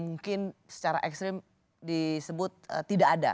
mungkin secara ekstrim disebut tidak ada